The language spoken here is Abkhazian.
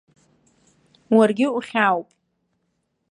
Уаргьы ухьаауп.